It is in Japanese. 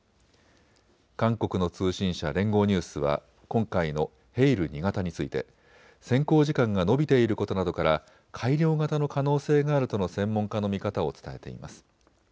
韓国の通信社、連合ニュースは今回のヘイル２型について潜航時間が延びていることなどから改良型の可能性があるとの専門家の見方を伝えています。